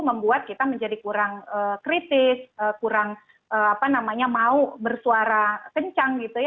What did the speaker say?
membuat kita menjadi kurang kritis kurang mau bersuara kencang gitu ya